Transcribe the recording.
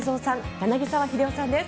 柳澤秀夫さんです。